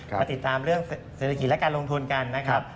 มาติดตามเรื่องเศรษฐกิจและการลงทุนกันนะครับ